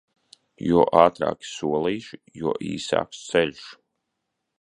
Jo ātrāki solīši, jo īsāks ceļš.